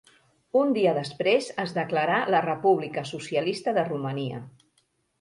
Un dia després es declarà la República Socialista de Romania.